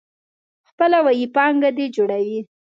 خپله ويي پانګه دي جوړوه.